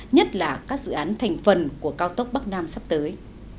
nhất là các dự án thành phần của cao tốc bắc nam sắp tới